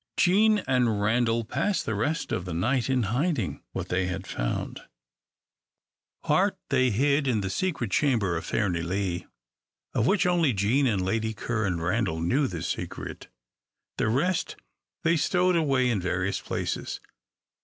Jean and Randal passed the rest of the night in hiding what they had found. Part they hid in the secret chamber of Fairnilee, of which only Jean and Lady Ker and Randal knew the secret. The rest they stowed away in various places.